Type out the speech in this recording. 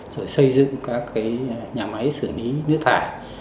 rồi xây dựng các nhà máy xử lý nước thải